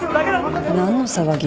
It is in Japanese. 何の騒ぎ？